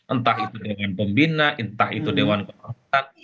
entah itu dewan pembina entah itu dewan kehormatan